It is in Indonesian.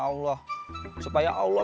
allah supaya allah